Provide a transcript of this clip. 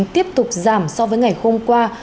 tiếp tục giảm so với ngày hôm qua